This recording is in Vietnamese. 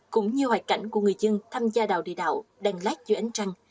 cũng như hoạt cảnh của người dân tham gia đảo địa đạo đang lát dưới ánh trăng